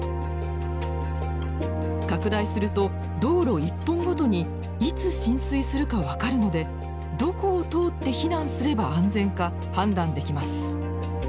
拡大すると道路一本ごとにいつ浸水するか分かるのでどこを通って避難すれば安全か判断できます。